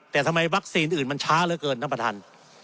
แต่ทำไมวัคซีนอื่นมันช้าเหลือเกินท่านประธาน